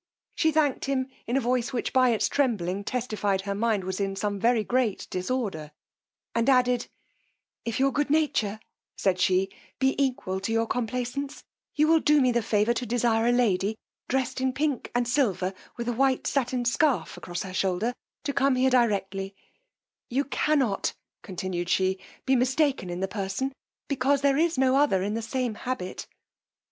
She thank'd him in a voice which, by its trembling, testified her mind was in some very great disorder; and added, if your good nature, said she, be equal to your complaisance, you will do me the favour to desire a lady, dressed in pink and silver, with a white sattin scarf cross her shoulder, to come here directly: you cannot, continued she, be mistaken in the person, because there is no other in the same habit.